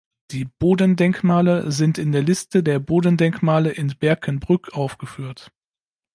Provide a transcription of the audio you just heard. Die Bodendenkmale sind in der Liste der Bodendenkmale in Berkenbrück aufgeführt.